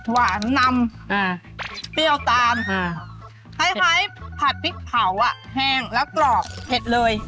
หวานนำเปรี้ยวตามคล้ายผัดพริกเผาอ่ะแห้งแล้วกรอบเผ็ดเลย